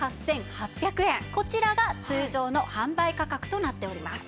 こちらが通常の販売価格となっております。